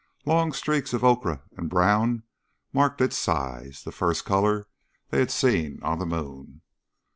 Long streaks of ochre and brown marked its sides, the first color they had seen on the moon.